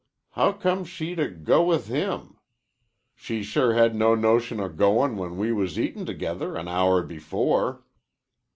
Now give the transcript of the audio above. Howcome she to go with him? She sure had no notion of goin' when we was eatin' together an hour before."